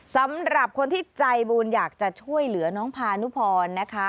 สำหรับคนที่ใจบุญอยากจะช่วยเหลือน้องพานุพรนะคะ